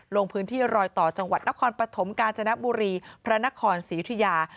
ลงพื้นที่รอยต่อจังหวัดนครปฐมกาญจนบุรีพระนครศรียุธยา